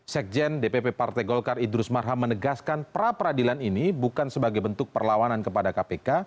sekjen dpp partai golkar idrus marham menegaskan pra peradilan ini bukan sebagai bentuk perlawanan kepada kpk